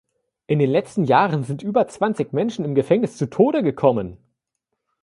In den letzten Jahren sind über zwanzig Menschen im Gefängnis zu Tode gekommen.